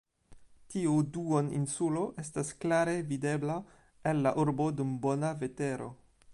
Tiu duoninsulo estas klare videbla el la urbo dum bona vetero.